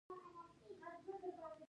مصنوعي ځیرکتیا د بدلون د منلو وړتیا غواړي.